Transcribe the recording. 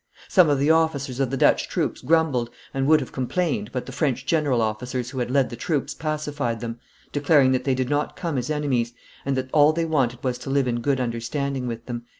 Some of the officers of the Dutch troops grumbled, and would have complained, but the French general officers who had led the troops pacified them, declaring that they did not come as enemies, and that all they wanted was to live in good understanding with them."